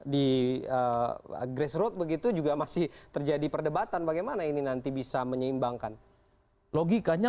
di grassroot begitu juga masih terjadi perdebatan bagaimana ini nanti bisa menyeimbangkan logikanya